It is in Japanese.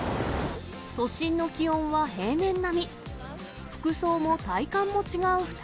都心の気温は平年並み。